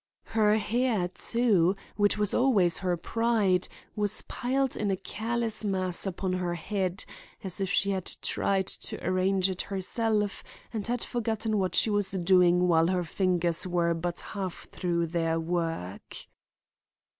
Her hair, too, which was always her pride, was piled in a careless mass upon her head as if she had tried to arrange it herself and had forgotten what she was doing while her fingers were but half through their work.